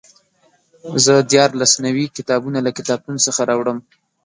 زه دیارلس نوي کتابونه له کتابتون څخه راوړم.